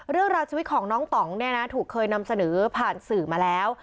เรื่องราวชีวิตของน้องต่องเนี่ยนะถูกเคยนำเสนอผ่านสื่อมาแล้ว